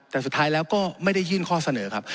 แต่สุดท้ายแล้วก็ไม่ได้ยื่นข้อเสนอครับ